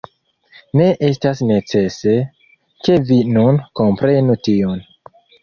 Ne estas necese, ke vi nun komprenu tion.